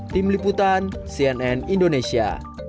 tim liputan cnn indonesia